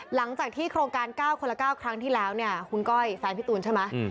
หลังจากที่โครงการ๙คนละ๙ครั้งที่แล้วเนี่ยคุณก้อยแฟนพี่ตูนใช่ไหม